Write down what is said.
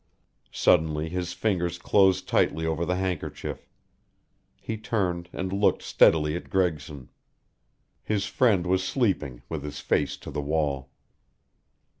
Suddenly his fingers closed tightly over the handkerchief. He turned and looked steadily at Gregson. His friend was sleeping, with his face to the wall.